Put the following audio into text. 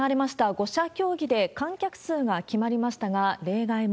５者協議で観客数が決まりましたが、例外も。